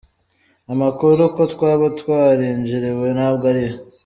Amakuru ko twaba twarinjiriwe ntabwo ari yo.